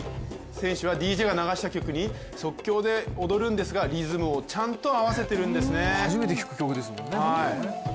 選手はＤＪが流した曲に即興で踊るんですが、リズムをちゃんと合わせてるんですね。